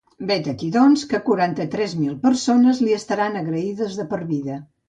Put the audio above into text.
Vet aquí, doncs, que quaranta-tres mil persones li estaran agraïdes de per vida.